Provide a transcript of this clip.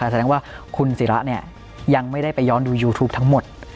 แสดงว่าคุณศิระเนี่ยยังไม่ได้ไปย้อนดูยูทูปทั้งหมด